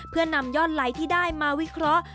เพื่อนำยอดไลค์ที่ได้มาวิเคราะห์